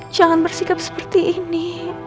jangan bersikap seperti ini